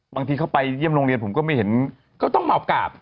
บางทีเขาไปเยี่ยมโรงเรียนผมก็ไม่เห็นก็ต้องมากราบ